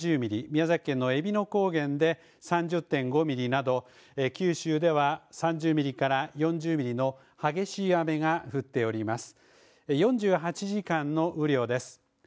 宮崎県のえびの高原で３０．５ミリなど、九州では３０ミリから４０ミリの激しい雨が降っております。